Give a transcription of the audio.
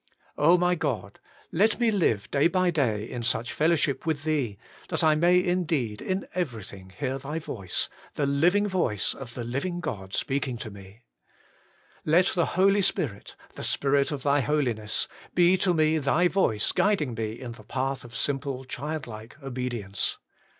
my God ! let me live day by day in such fellowship with Thee, that I may indeed in every 72 HOLY IN CHRIST. thing hear Thy voice, the living voice of the living God speaking to me. Let the Holy Spirit, the Spirit of Thy Holiness, be to me Thy voice guiding me in the path of simple, childlike obedience.